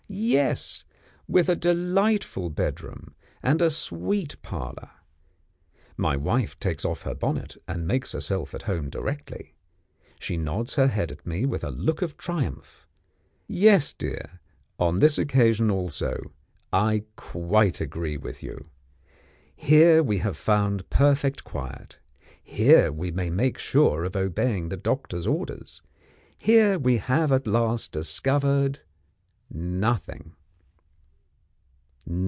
Yes, with a delightful bedroom, and a sweet parlour. My wife takes off her bonnet, and makes herself at home directly. She nods her head at me with a look of triumph. "Yes, dear, on this occasion also I quite agree with you. Here we have found perfect quiet; here we may make sure of obeying the doctor's orders; here we have at last discovered Nothing."